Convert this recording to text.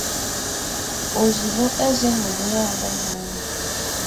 Ozugbo eze hụrụ nwagbọghọ a